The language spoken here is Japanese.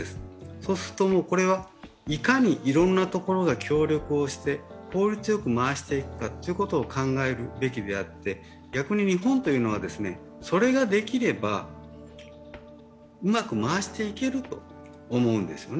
そうすると、いかにいろんなところが協力をして効率よく回していくかを考えるべきであって、逆に日本というのはそれができればうまく回していけると思うんですよね。